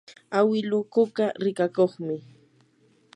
awiluu kuka rikakuqmi.